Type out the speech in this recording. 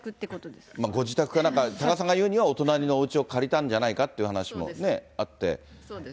ご自宅かなんか、多賀さんが言うには、お隣のおうちを借りたんじゃないかっていう話もね、あって。